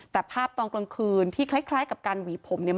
แต่ภาพตอนกลางคืนที่คล้ายกับการหวีผมเนี่ย